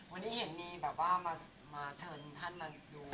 วันนี้เห็นมีแบบว่ามาเชิญท่านมาดู